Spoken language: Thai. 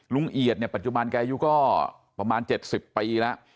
ลุงเเอียดเนี่ยปัจจุบานแกอยู่ก็ประมาณเจ็ดสิบปีล่ะ